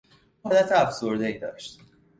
او حالت افسردهای داشت.